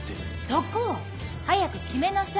そこ！早く決めなさい。